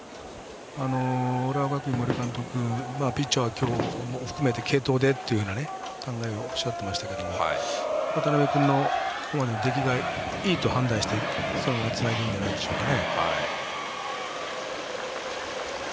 浦和学院、森監督ピッチャーも含めて今日継投でというふうな考えをおっしゃっていましたが渡邉君の出来がいいと判断してそのままつなぐんじゃないでしょうか。